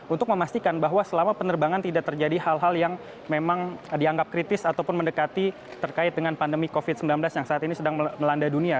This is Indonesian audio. untuk memastikan bahwa selama penerbangan tidak terjadi hal hal yang memang dianggap kritis ataupun mendekati terkait dengan pandemi covid sembilan belas yang saat ini sedang melanda dunia